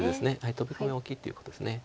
トビ込みは大きいということです。